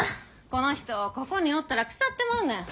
この人ここにおったら腐ってまうねん。